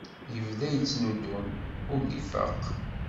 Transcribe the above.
Yebda yettnudum ur d-ifaq